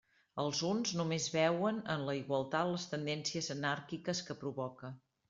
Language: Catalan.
Els uns només veuen en la igualtat les tendències anàrquiques que provoca.